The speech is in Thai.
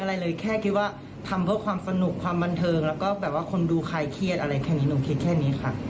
หรือด้วยความสนุกด้วยความที่ว่าไม่ได้ไต่ตรองก่อนนะคะ